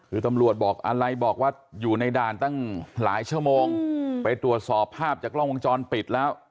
คือตำรวจบอกอะไรบอกว่าอยู่ในด่านตั้งหลายชั่วโมงไปตรวจสอบภาพจากกล้องวงจรปิดแล้ว